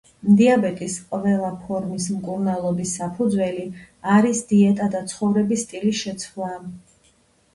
დიაბეტის ყველა ფორმის მკურნალობის საფუძველი არის დიეტა და ცხოვრების სტილის შეცვლა.